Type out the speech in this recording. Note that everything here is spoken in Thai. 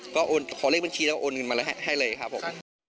ก็ขอเลขบัญชีแล้วโอนเงินมาให้เลยครับผม